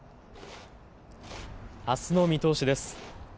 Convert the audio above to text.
あすの見通しです。